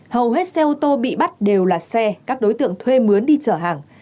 hầu hết xe ô tô bị bắt đều là xe các đối tượng thuê mướn đi chở hàng